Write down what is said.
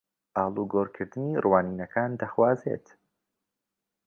ئاڵوگۆڕکردنی ڕوانینەکان دەخوازێت